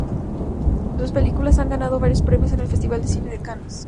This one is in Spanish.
Sus películas han ganado varios premios en el Festival de Cine de Cannes.